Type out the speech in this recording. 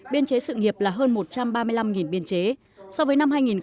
biên chế sự nghiệp là hơn một trăm linh người